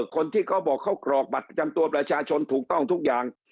คนที่เขาบอกเขากรอกบัตรประจำตัวประชาชนถูกต้องทุกอย่าง